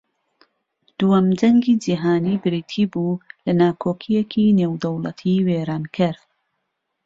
دووەم جەنگی جیھانی بریتی بوو لە ناکۆکییەکی نێودەوڵەتی وێرانکەر